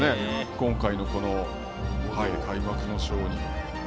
今回の開幕のショーに。